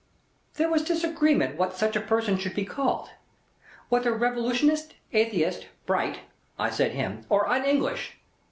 There was disagreement what such a person should be called. Whether revolutionist, atheist, Bright (I said him), or Un English.